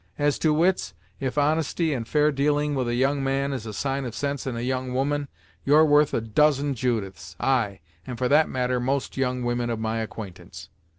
As to wits, if honesty and fair dealing with a young man is a sign of sense in a young woman, you're worth a dozen Judiths; ay, and for that matter, most young women of my acquaintance."